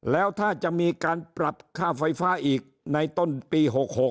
แล้วถ้าจะมีการปรับค่าไฟฟ้าอีกในต้นปี๖๖